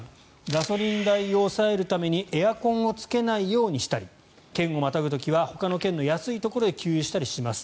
ガソリン代を抑えるためにエアコンをつけないようにしたり県をまたぐ時はほかの県の安いところで給油したりします。